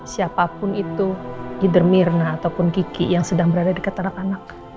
siapapun itu gider mirna ataupun kiki yang sedang berada dekat anak anak